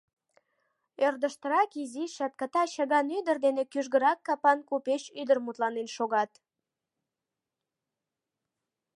Ӧрдыжтырак изи, чатката чыган ӱдыр дене кӱжгырак капан купеч ӱдыр мутланен шогат.